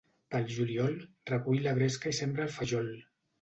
Pel juliol, recull la bresca i sembra el fajol.